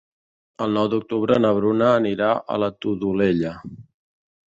El nou d'octubre na Bruna anirà a la Todolella.